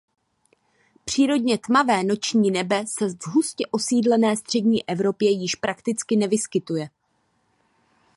Přírodně tmavé noční nebe se v hustě osídlené střední Evropě již prakticky nevyskytuje.